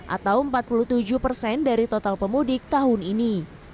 atau empat puluh tujuh persen dari total pemudik tahun ini